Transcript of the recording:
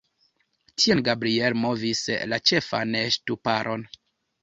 Tien Gabriel movis la ĉefan ŝtuparon.